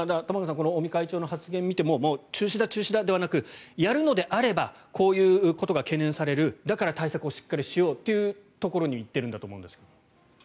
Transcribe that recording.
この尾身会長の発言を見ても中止だ、中止だではなくやるのであればこういうことが懸念されるだから対策をしっかりしようというところに行っているんだと思うんですが。